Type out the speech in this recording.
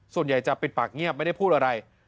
ส่วนใหญ่จะปิดปากเงียบไม่ได้พูดอะไร